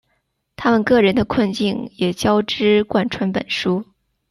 他们个人的困境也交织贯穿本书。